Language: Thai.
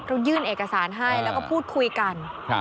เขายื่นเอกสารให้แล้วก็พูดคุยกัน